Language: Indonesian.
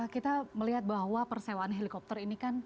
kita melihat bahwa persewaan helikopter ini kan